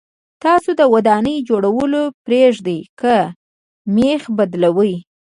تاسو د ودانۍ جوړول پرېږدئ که مېخ بدلوئ.